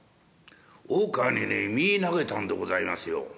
「大川にね身投げたんでございますよ。